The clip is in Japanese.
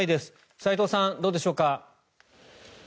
齋藤さん、どうでしょうか。